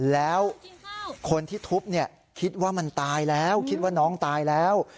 แล้วคนที่ทุบคิดว่ามันตายแล้วคิดว่าน้องตายแล้ว